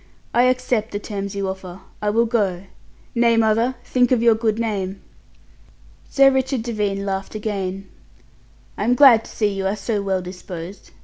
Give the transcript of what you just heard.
I accept the terms you offer. I will go. Nay, mother, think of your good name." Sir Richard Devine laughed again. "I am glad to see you are so well disposed.